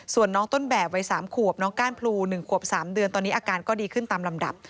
ส่วนน้องต้นแบบวัย๓ขวบน้องก้านพลู๑ขวบ๓เดือนตอนนี้อาการก็ดีขึ้นตามลำดับ